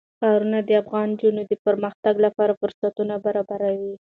ښارونه د افغان نجونو د پرمختګ لپاره فرصتونه برابروي.